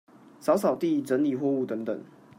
掃掃地、整理貨物等等